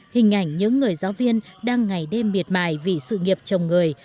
hình ảnh những người giáo viên đang ngày đêm miệt mài vì sự nghiệp chồng người